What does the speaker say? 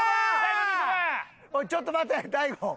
おいちょっと待て大悟。